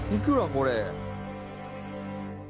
これ。